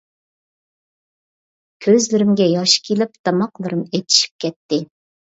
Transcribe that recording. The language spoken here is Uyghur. كۆزلىرىمگە ياش كېلىپ، دىماقلىرىم ئىچىشىپ كەتتى.